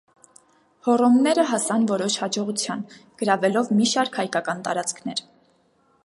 Հոռոմները հասան որոշ հաջողության՝ գրավելով մի շարք հայկական տարածքներ։